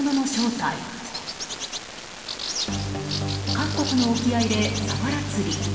韓国の沖合でサワラ釣り。